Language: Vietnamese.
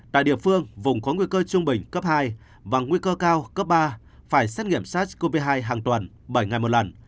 tại địa phương vùng có nguy cơ trung bình cấp hai và nguy cơ cao cấp ba phải xét nghiệm sars cov hai hàng tuần bảy ngày một lần